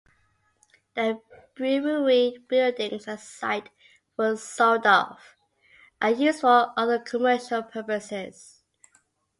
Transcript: The brewery buildings and site were sold off and used for other commercial purposes.